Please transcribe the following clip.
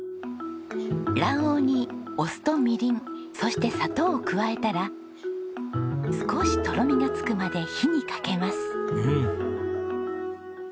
卵黄にお酢とみりんそして砂糖を加えたら少しとろみがつくまで火にかけます。